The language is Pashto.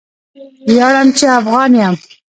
ویاړم چې افغان یم!